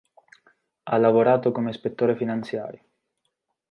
Ha lavorato come ispettore finanziario.